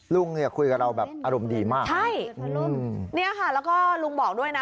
ลุงเนี่ยคุยกับเราแบบอารมณ์ดีมากใช่เนี่ยค่ะแล้วก็ลุงบอกด้วยนะ